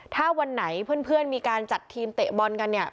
ถ้าวันไหนเพื่อนมีการจัดทีมเตะบอลกันเนี่ย